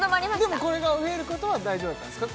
でもこれが増えることは大丈夫だったんですか？